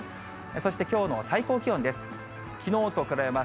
そしてきょうの最高気温です。